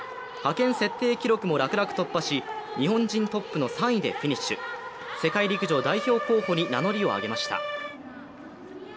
派遣設定記録も楽々突破し日本人トップの３位でフィニッシュ世界陸上代表候補に名乗りを上げました。